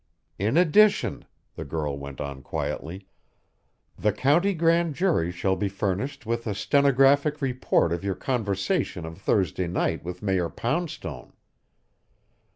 "In addition," the girl went on quietly, "the county grand jury shall be furnished with a stenographic report of your conversation of Thursday night with Mayor Poundstone.